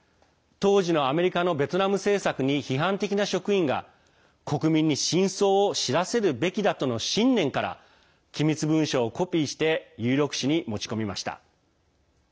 当時のアメリカのベトナム政策に批判的な職員が国民に真相を知らせるべきだとの信念から機密文書をコピーして有力紙に持ち込みました。